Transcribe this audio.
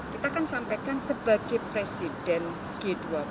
kita kan sampaikan sebagai presiden g dua puluh